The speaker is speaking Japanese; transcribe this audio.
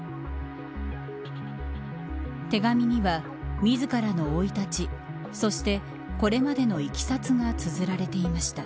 手紙には、自らの生い立ちそしてこれまでのいきさつがつづられていました。